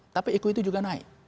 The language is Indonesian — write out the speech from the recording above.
tapi eku itu juga naik